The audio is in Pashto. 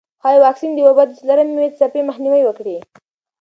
ښايي واکسین د وبا د څلورمې څپې مخنیوی وکړي.